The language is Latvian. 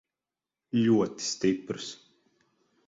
Ļoti stiprs.